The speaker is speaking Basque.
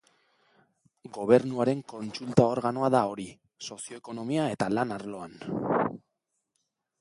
Gobernuaren kontsulta-organoa da hori, sozio-ekonomia eta lan arloan.